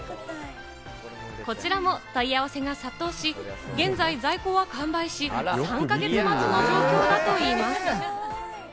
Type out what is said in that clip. こちらも問い合わせが殺到し、現在在庫は完売し、３か月待ちの状況だといいます。